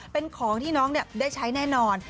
เป็นของที่น้องได้ใช้แน่นอน